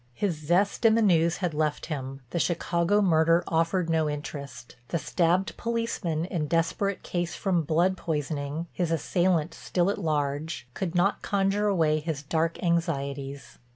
His zest in the news had left him—the Chicago murder offered no interest, the stabbed policeman in desperate case from blood poisoning, his assailant still at large, could not conjure away his dark anxieties.